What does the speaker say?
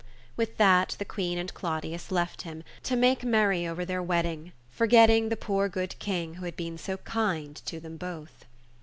With that the Queen and Claudius left him, to make merry over their wedding, forgetting the poor good King who had been so kind to them both.